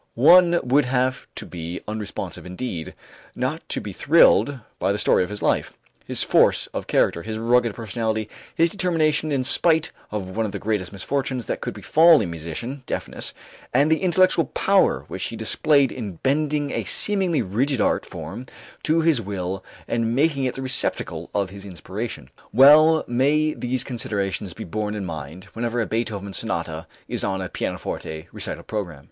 One would have to be unresponsive indeed not to be thrilled by the story of his life his force of character, his rugged personality, his determination in spite of one of the greatest misfortunes that could befall a musician, deafness; and the intellectual power which he displayed in bending a seemingly rigid art form to his will and making it the receptacle of his inspiration. Well may these considerations be borne in mind whenever a Beethoven sonata is on a pianoforte recital program.